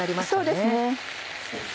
そうですね。